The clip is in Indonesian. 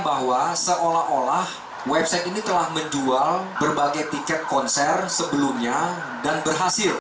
bahwa seolah olah website ini telah menjual berbagai tiket konser sebelumnya dan berhasil